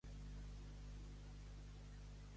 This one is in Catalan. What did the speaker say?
Com gat a la sella.